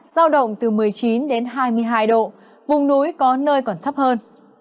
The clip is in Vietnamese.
giao động từ một mươi chín đến hai mươi hai độ vùng núi có nơi còn thấp hơn